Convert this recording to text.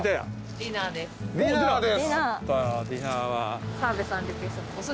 ディナーです！